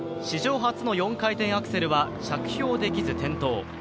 史上初の４回転アクセルは着氷できず転倒。